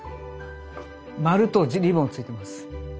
丸とリボンついてます。